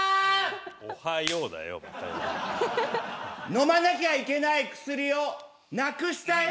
飲まなきゃいけない薬をなくしたよ。